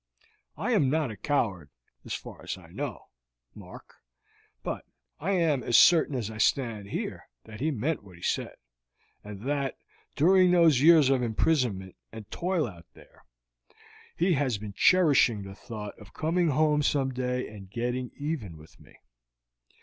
I am not a coward, so far as I know, Mark, but I am as certain as I stand here that he meant what he said, and that, during these years of imprisonment and toil out there, he has been cherishing the thought of coming home some day and getting even with me.